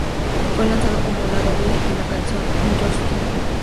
Fue lanzado como lado B de la canción "On Your Knees".